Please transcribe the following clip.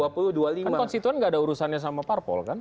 kan konstituen nggak ada urusannya sama parpol kan